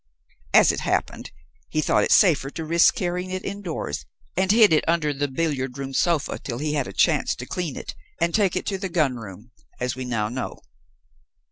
As it happened, he thought it safer to risk carrying it indoors, and hid it under the billiard room sofa till he had a chance to clean it and take it to the gun room, as we now know.